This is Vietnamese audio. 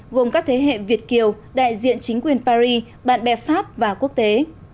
gồm các thế hệ việt kiều đại diện chính quyền paris bạn bè pháp và quốc tế